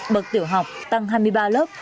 bậc tiểu học tăng hai mươi ba lớp